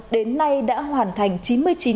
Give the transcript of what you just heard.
đến nay đã hoàn thành chín mươi chín